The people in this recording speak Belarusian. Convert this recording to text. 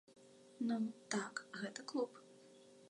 Ну, так, гэта клуб.